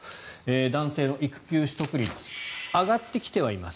男性の育休取得率上がってきてはいます。